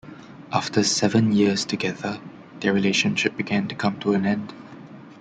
After seven years together, their relationship began to come to an end.